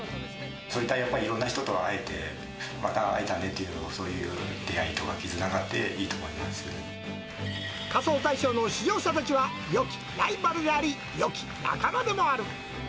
いろんな人と会えて、また会えたねっていう、そういう出会いとか絆があっていいと思いますけ仮装大賞の出場者たちは、よきライバルであり、よき仲間でもある。